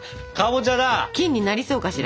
金になりそうかしら？